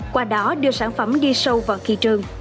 qua đó đưa sản phẩm đi sâu vào thị trường